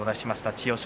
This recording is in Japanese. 千代翔